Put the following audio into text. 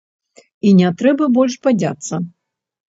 І не трэба больш бадзяцца.